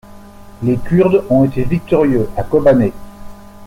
Les Kurdes ont été victorieux à Kobané.